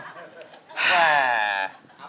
แสหร่